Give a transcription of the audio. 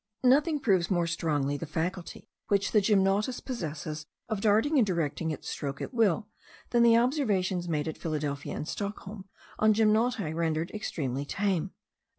Nothing proves more strongly the faculty, which the gymnotus possesses, of darting and directing its stroke at will, than the observations made at Philadelphia and Stockholm,* on gymnoti rendered extremely tame.